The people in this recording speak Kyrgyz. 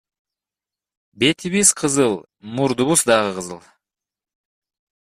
Бетибиз кызыл, мурдубуз дагы кызыл.